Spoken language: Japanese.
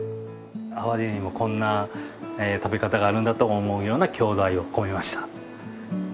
淡路にもこんな食べ方があるんだと思うような郷土愛を込めました。